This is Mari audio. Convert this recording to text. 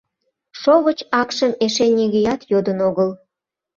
— Шовыч акшым эше нигӧат йодын огыл.